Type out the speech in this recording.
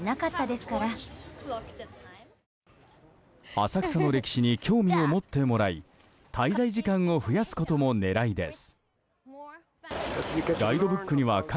浅草の歴史に興味を持ってもらい滞在時間を増やすことも狙いです。